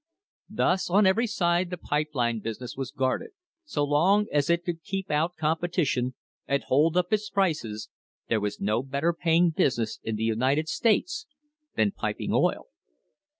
Thus on every side the pipe line business was guarded. So long as it could keep out competition and hold up its prices, there was no better paying business in the United States than piping oil.